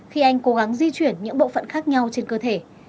khi anh cố gắng di chuyển những bộ phận khác nhau trên cơ thể